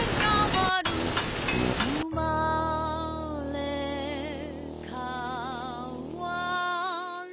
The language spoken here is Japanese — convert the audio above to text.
「うまれかわる」